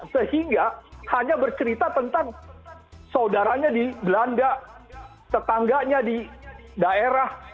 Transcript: sehingga hanya bercerita tentang saudaranya di belanda tetangganya di daerah